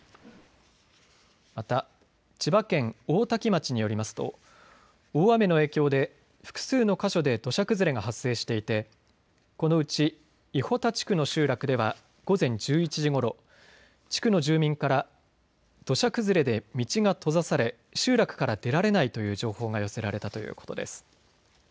また千葉県大多喜町によりますと大雨の影響で複数の箇所で土砂崩れが発生していてこのうち伊保田地区の集落では午前１１時ごろ、地区の住民から土砂崩れで道が閉ざされ集落から出られないという情報が寄せられたということです。